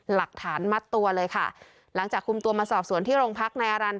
หลักฐานมัดตัวเลยค่ะหลังจากคุมตัวมาสอบสวนที่โรงพักนายอารันต